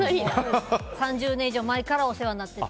３０年以上前からお世話になってて。